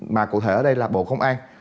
mà cụ thể ở đây là bộ công an